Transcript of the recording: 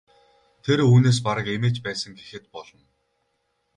Тэр үүнээс бараг эмээж байсан гэхэд болно.